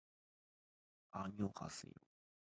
あにょはせよ